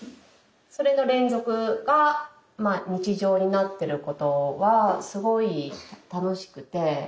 それの連続が日常になってることはすごい楽しくて。